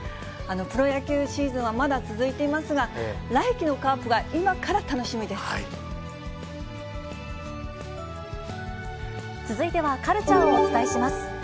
プロ野球シーズンはまだ続いていますが、来季のカープが今から楽続いてはカルチャーをお伝えします。